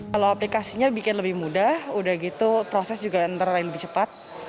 kalau aplikasinya bikin lebih mudah udah gitu proses juga antara lain lebih cepat